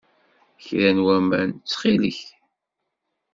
Kra n waman, ttxil-k.